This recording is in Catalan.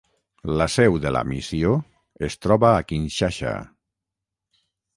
La seu de la missió es troba a Kinshasa.